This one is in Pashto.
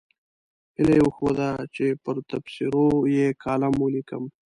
هیله یې وښوده چې پر تبصرو یې کالم ولیکم.